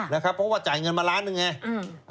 ค่ะนะครับเพราะว่าจ่ายเงินมาล้านหนึ่งไงอืม